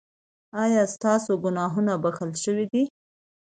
ایا ستاسو ګناهونه بښل شوي دي؟